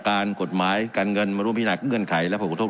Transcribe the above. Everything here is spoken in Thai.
การกฎหมายการเงินมาร่วมพิหนักเงื่อนไขและผลกระทบ